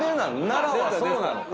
奈良はそうなのか？